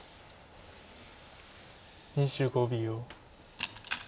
２５秒。